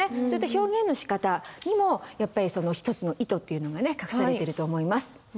そういった表現のしかたにもやっぱりその１つの意図っていうのがね隠されてると思います。